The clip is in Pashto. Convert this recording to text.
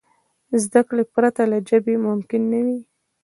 زدهکړې پرته له ژبي ممکن نه دي.